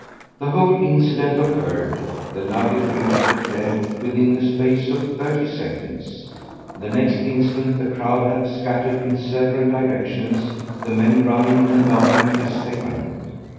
The whole incident occurred, the lovely creature declared, within the space of thirty seconds; the next instant the crowd had scattered in several directions, the men running and laughing as they went.